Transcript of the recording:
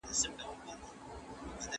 د دغي کیسې متن چا ولیکی؟